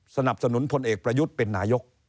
สนับสนุนพลเอกประยุทธ์เป็นนายก